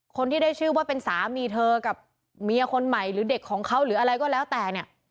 คนที่ได้ชื่อว่าเป็นสามีเธอกับเมียคนใหม่หรือเด็กของเขาหรืออะไรก็แล้วแต่เนี่ย